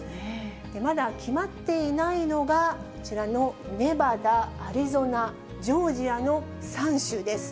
まだ決まっていないのが、こちらのネバダ、アリゾナ、ジョージアの３州です。